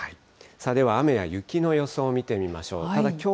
では、雨や雪の予想を見ていきましょう。